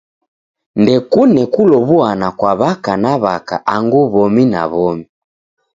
Ndekune kulow'uana kwa w'aka na w'aka angu w'omi na w'omi.